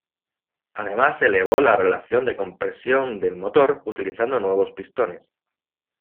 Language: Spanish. Además, se elevó la relación de compresión del motor utilizando nuevos pistones.